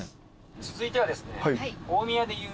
続いてはですね。